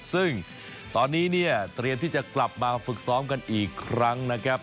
ซึ่งตอนนี้เนี่ยเตรียมที่จะกลับมาฝึกซ้อมกันอีกครั้งนะครับ